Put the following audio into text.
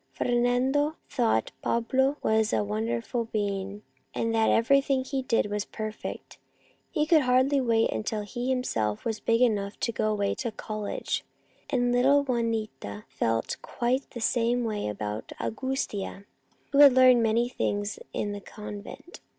Fernando thought Pablo was a wonderful being, and that everything he did was perfect. He could hardly wait until he himself would be big enough to go away to college ; and little Juanita felt quite the same way about Augustia, who had learned many things in the convent.